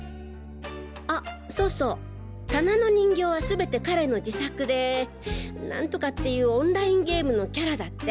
あそうそう棚の人形は全て彼の自作で何とかっていうオンラインゲームのキャラだって。